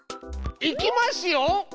いきますよ。